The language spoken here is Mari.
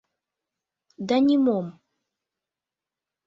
Да нимом.